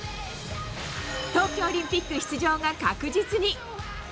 東京オリンピック出場が確実に。